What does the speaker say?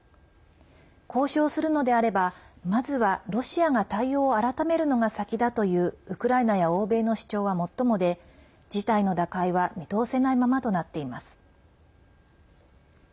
交渉するのであれば、まずはロシアが対応を改めるのが先だという、ウクライナや欧米の主張はもっともで事態の打開は見通せないままとなっています。